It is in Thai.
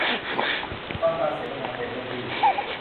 ฟังการเสวนาเต็มได้ที่